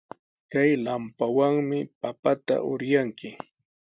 Kay lampawanmi papata uryanki.